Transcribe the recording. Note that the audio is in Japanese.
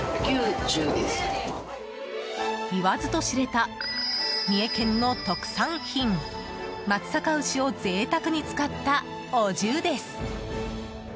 言わずと知れた三重県の特産品松阪牛を贅沢に使ったお重です。